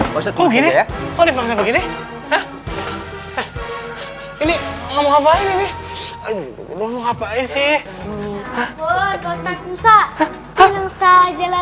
pak ustadz duduk aja ya